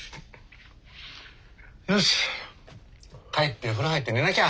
よし帰って風呂入って寝なきゃ。